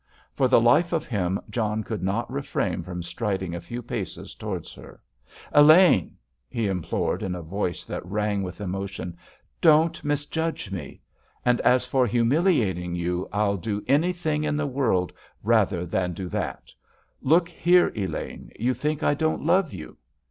For the life of him John could not refrain from striding a few paces towards her. "Elaine!" he implored, in a voice that rang with emotion. "Don't misjudge me. And as for humiliating you, I'd do anything in the world rather than do that! Look here, Elaine, you think I don't love you?"